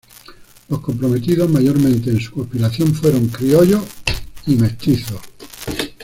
Los comprometidos mayormente en su conspiración fueron criollos y mestizos.